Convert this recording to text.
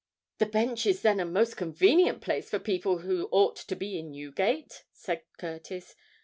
"The Bench is then a most convenient place for people who ought to be in Newgate?" said Curtis.